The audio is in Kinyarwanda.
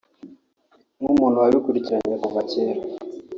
Nk’umuntu wabikurikiranye kuva kera